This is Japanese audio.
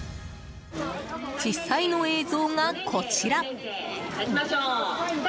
実際の映像がこちら。